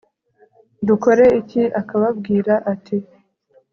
dukore iki akababwira ati